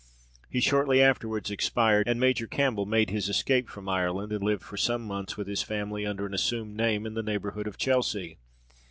He shortly afterwards expired, and Major Campbell made his escape from Ireland, and lived for some months with his family under an assumed name, in the neighbourhood of Chelsea.